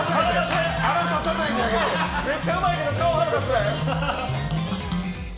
めっちゃうまいけど顔腹立つ！